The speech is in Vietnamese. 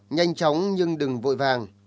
nhanh chóng nhưng đừng vội vàng